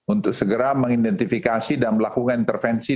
untuk segera mengidentifikasi dan melakukan intervensi